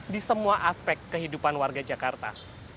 di semua aspek kehidupan warga jakarta